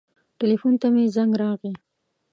ټیلیفون ته مې زنګ راغی.